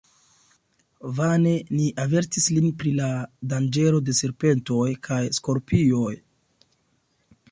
Vane ni avertis lin pri la danĝero de serpentoj kaj skorpioj.